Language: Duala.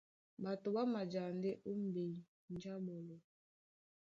Ɓato ɓá maja ndé ó mbenju a ɓɔ́lɔ.